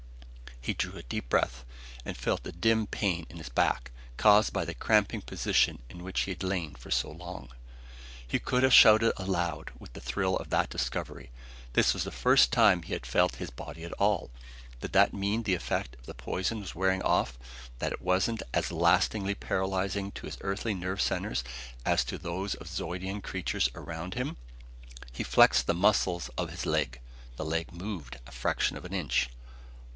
He drew a deep breath and felt a dim pain in his back, caused by the cramping position in which he had lain for so long. He could have shouted aloud with the thrill of that discovery. This was the first time he had felt his body at all! Did it mean that the effect of the poison was wearing off that it wasn't as lastingly paralyzing to his earthly nerve centers as to those of Zeudian creatures around them? He flexed the muscles of his leg. The leg moved a fraction of an inch.